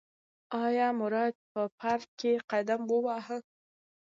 ایا مراد په پار ک کې قدم وواهه؟